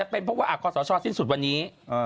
เพราะว่ากฎสอดชอตสิ้นสุดวันนี้